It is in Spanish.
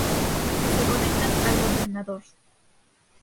Que se conectan al ordenador.